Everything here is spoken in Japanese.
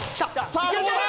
さあどうだ？